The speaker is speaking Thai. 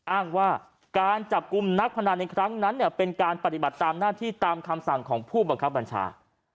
อ้างว่าการจับกลุ่มนักพนันในครั้งนั้นเนี่ยเป็นการปฏิบัติตามหน้าที่ตามคำสั่งของผู้บังคับบัญชา